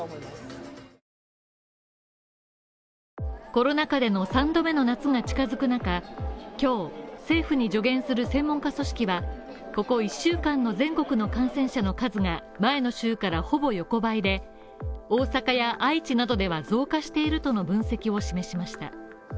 コロナ禍での３度目の夏が近づく中、今日政府に助言する専門家組織は、ここ１週間の全国の感染者の数が前の週からほぼ横ばいで、大阪や愛知などでは増加しているとの分析を示しました。